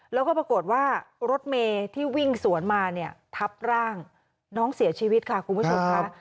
แล้วก็ปรากฏว่ารถเมย์ที่วิ่งสวนมาเนี่ยทับร่างน้องเสียชีวิตค่ะคุณผู้ชมค่ะ